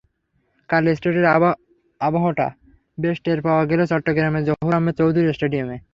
কাল টেস্টের আবহটা বেশ টের পাওয়া গেল চট্টগ্রামের জহুর আহমেদ চৌধুরী স্টেডিয়ামে।